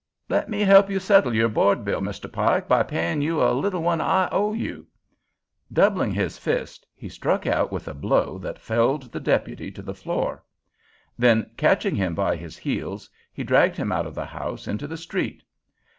"Let me help you settle your board bill, Mr. Pike, by payin' you a little one I owe you." Doubling his fist, he struck out with a blow that felled the deputy to the floor. Then catching him by his heels, he dragged him out of the house into the street.